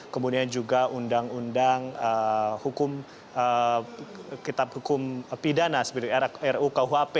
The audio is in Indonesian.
kemudian juga undang undang hukum kitab hukum pidana seperti rukuhp